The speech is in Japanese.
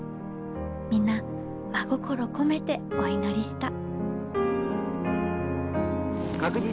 皆真心込めてお祈りした」。